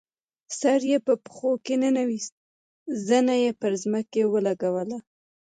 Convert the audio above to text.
سر یې په پښو کې ننویست، زنه یې پر ځمکه ولګوله.